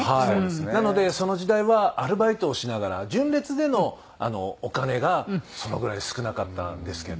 なのでその時代はアルバイトをしながら純烈でのお金がそのぐらい少なかったんですけど。